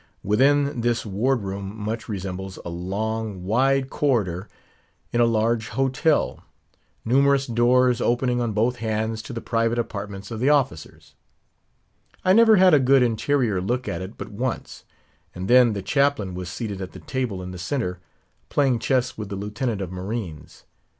Within, this Ward room much resembles a long, wide corridor in a large hotel; numerous doors opening on both hands to the private apartments of the officers. I never had a good interior look at it but once; and then the Chaplain was seated at the table in the centre, playing chess with the Lieutenant of Marines.